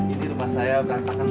ini rumah saya berantakan